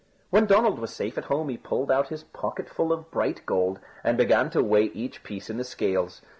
When Donald was safe at home, he pulled out his pocketful of bright gold and began to weigh each piece in the scales.